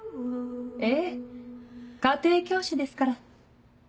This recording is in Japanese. ええ家庭教師ですから。